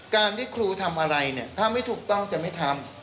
การที่ครูทำอะไรเนี่ยถ้าไม่ถูกต้องจะไม่ทำ